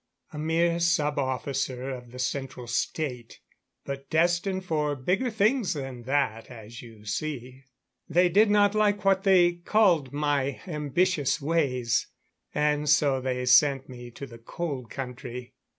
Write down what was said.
A mere sub officer of the Central State. But destined for bigger things than that, as you see. They did not like what they called my ambitious ways and so they sent me to the Cold Country.